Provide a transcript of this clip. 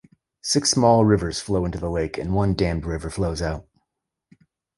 Six small rivers flow into the lake, and one dammed river flows out.